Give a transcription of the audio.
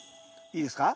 いいですか？